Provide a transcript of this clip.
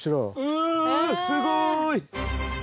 うすごい！